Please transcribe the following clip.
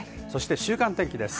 週間天気です。